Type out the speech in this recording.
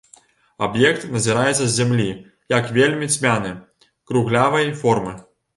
Аб'ект назіраецца з зямлі як вельмі цьмяны, круглявай формы.